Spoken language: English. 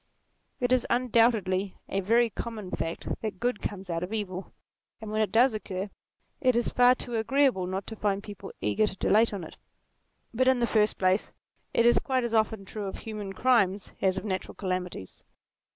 It is undoubtedly a very common fact that good comes out of evil, and when it does occur, it is far too agreeable not to find people eager to dilate on it. But in the first place, it is quite as often true of human crimes, as of natural calamities.